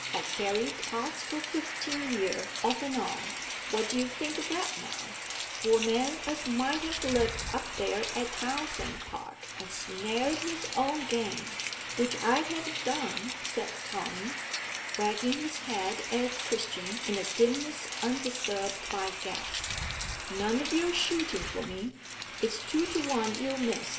I carried pots for fifteen year off and on what do you think o' that now, for a man as might ha' lived up there at Trounsem Park, and snared his own game? Which I'd ha' done," said Tommy, wagging his head at Christian in the dimness undisturbed by gas. "None o' your shooting for me it's two to one you'll miss.